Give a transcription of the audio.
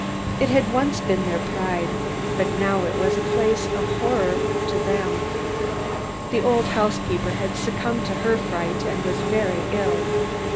It had once been their pride, but now it was a place of horror to them. The old housekeeper had succumbed to her fright and was very ill.